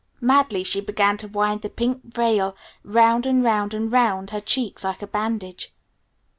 Madly she began to wind the pink veil round and round and round her cheeks like a bandage.